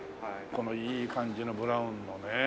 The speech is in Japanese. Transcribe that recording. このいい感じのブラウンのね。